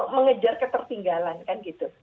mengejar ketertinggalan kan gitu